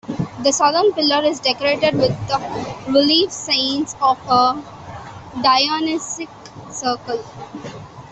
The southern pillar is decorated with relief scenes of a Dionysiac circle.